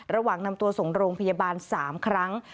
ระหว่างนำตัวส่งโรงพยาบาล๓ครั้ง